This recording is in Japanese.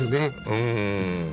うん。